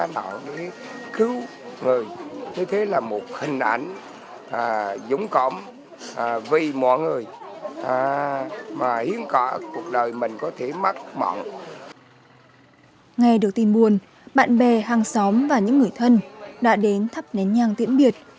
nghe được tin buồn bạn bè hàng xóm và những người thân đã đến thắp nén nhang tiễn biệt